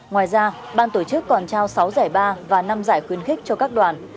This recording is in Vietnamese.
ngoài ra ban tổ chức còn trao sáu giải ba và năm giải khuyến khích cho các đoàn